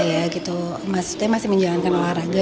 iya gitu maksudnya masih menjalankan olahraga